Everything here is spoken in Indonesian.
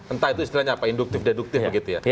entah itu istilahnya apa induktif deduktif begitu ya